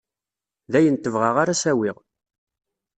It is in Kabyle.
D ayen tebɣa ara s-awiɣ.